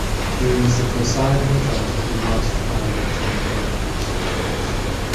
He was the presiding judge at the last trial of Tom Collins.